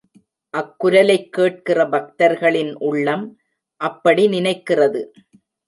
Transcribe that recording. அக்குரலைக் கேட்கிற பக்தர்களின் உள்ளம் அப்படி நினைக்கிறது.